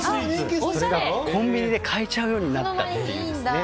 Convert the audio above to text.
コンビニで買えちゃうようになったんですね。